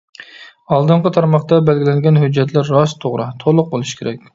ئالدىنقى تارماقتا بەلگىلەنگەن ھۆججەتلەر راست، توغرا، تولۇق بولۇشى كېرەك.